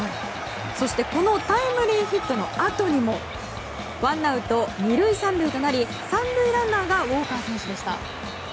そして、このタイムリーヒットのあとにもワンアウト２塁３塁となり３塁ランナーがウォーカー選手でした。